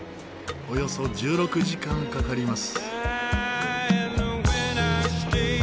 およそ１６時間かかります。